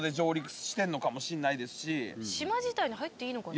島自体に入っていいのかな。